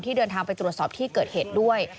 เดินทางไปตรวจสอบที่เกิดเหตุด้วย